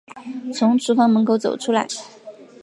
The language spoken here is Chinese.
从厨房门口走出来